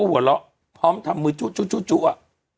หูหัวเราะพร้อมทำมือชุชุชุชุอ๋ออือ